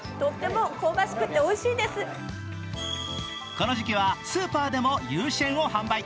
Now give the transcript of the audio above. この時期はスーパーでもユーシェンを販売。